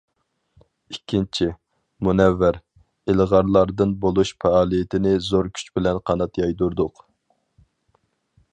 ئىككىنچى، مۇنەۋۋەر، ئىلغارلاردىن بولۇش پائالىيىتىنى زور كۈچ بىلەن قانات يايدۇردۇق.